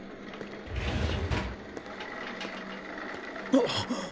あっ！